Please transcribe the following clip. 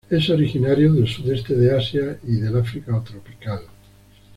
Es originario del sudeste de Asia y del África tropical.